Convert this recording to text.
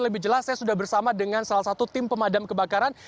dan lebih jelas saya sudah bersama dengan salah satu tim pemadam kebakaran